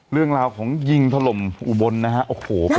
เรื่องราวของยิงถล่มอุบลนะฮะโอ้โห